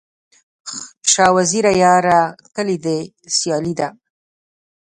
شاه وزیره یاره، کلي دي سیالي ده